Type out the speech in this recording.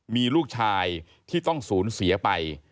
มีลูกชายที่ต้องสูญเสียไป